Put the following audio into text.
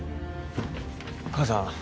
母さん